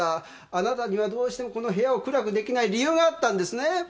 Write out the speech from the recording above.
あなたにはどうしてもこの部屋を暗くできない理由があったんですね。